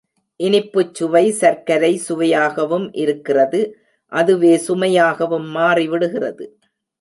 இனிப்புச்சுவை சர்க்கரை சுவையாகவும் இருக்கிறது அதுவே சுமையாகவும் மாறிவிடுகிறது.